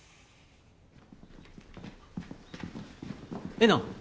えな！